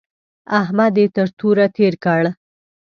احمد يې تر توره تېر کړ.